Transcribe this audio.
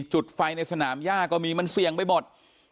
จุดไฟในสนามย่าก็มีมันเสี่ยงไปหมด